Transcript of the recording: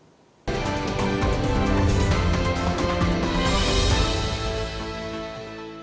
terima kasih pak